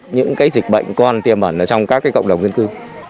những dịch bệnh còn tiềm ẩn ở trong các cộng đồng dân cư